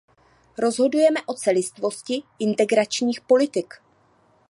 Rozhodujeme o celistvosti integračních politik.